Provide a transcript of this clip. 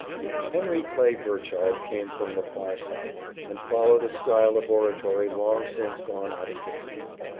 Henry Clay Burchard came from the far South, and followed a style of oratory long since gone out of date.